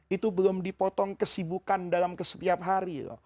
itu belum dipotong kesibukan dalam setiap hari loh